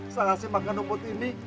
saat saya makan rumput ini